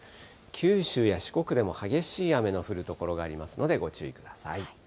九州や四国でも激しい雨の降る所がありますので、ご注意ください。